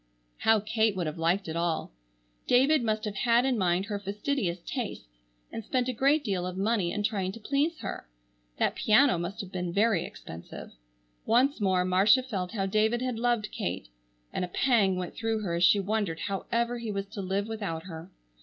How Kate would have liked it all! David must have had in mind her fastidious tastes, and spent a great deal of money in trying to please her. That piano must have been very expensive. Once more Marcia felt how David had loved Kate and a pang went through her as she wondered however he was to live without her.